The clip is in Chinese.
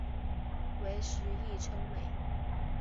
为时议称美。